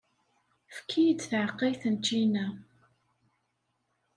Efk-iyi-d taɛeqqayt n ččina.